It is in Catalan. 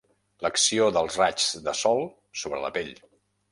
L'acció dels raigs del sol sobre la pell.